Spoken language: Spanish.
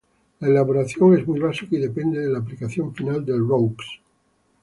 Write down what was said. La elaboración es muy básica y depende de la aplicación final del roux.